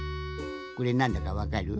これなんだかわかる？